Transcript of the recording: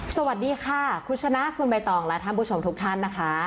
สวัสดีค่ะคุณชนะคุณใบตองและท่านผู้ชมทุกท่านนะคะ